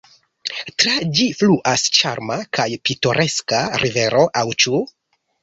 Tra ĝi fluas ĉarma kaj pitoreska rivero – aŭ ĉu?